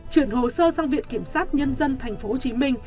chuyển hồ sơ sang viện kiểm sát nhân dân tp hcm